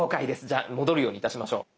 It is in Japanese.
じゃあ戻るようにいたしましょう。